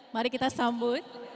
mari kita sambut